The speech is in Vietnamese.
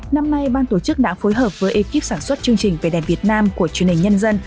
năm nay ban tổ chức đã phối hợp với ekip sản xuất chương trình về đẹp việt nam của truyền hình nhân dân